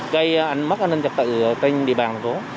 gây mất an ninh trật tự trên địa bàn